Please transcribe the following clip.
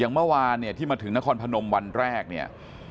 อย่างเมื่อวานที่มาถึงนครพนมวันแรกนี่